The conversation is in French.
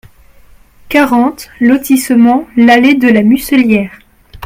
quarante lotissement l'Allée de la Mucelière